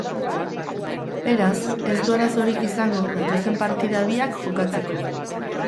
Beraz, ez du arazorik izango datozen partida biak jokatzeko.